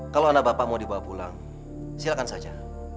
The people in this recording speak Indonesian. kalau anak bapak mau dibawa pulang silakan saja